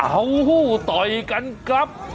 เอ้าหู้ต่อยกันกับ